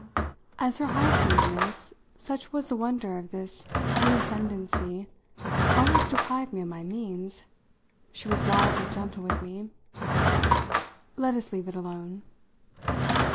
As her high smoothness such was the wonder of this reascendancy almost deprived me of my means, she was wise and gentle with me. "Let us leave it alone."